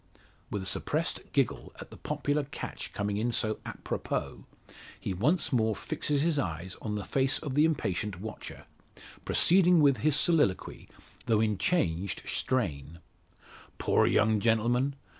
With a suppressed giggle at the popular catch coming in so apropos, he once more fixes his eyes on the face of the impatient watcher, proceeding with his soliloquy, though in changed strain: "Poor young gentleman!